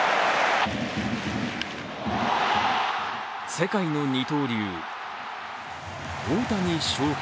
世界の二刀流・大谷翔平。